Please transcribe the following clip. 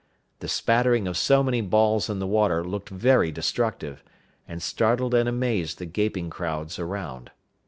The spattering of so many balls in the water looked very destructive, and startled and amazed the gaping crowds around.